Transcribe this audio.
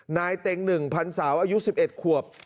นายเต็งหนึ่งพันสาวอายุ๑๑ขวบ